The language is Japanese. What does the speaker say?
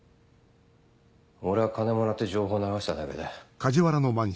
俺は金もらって情報流しただけだ。